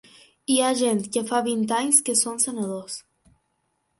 Hi ha gent que fa vint anys que són senadors.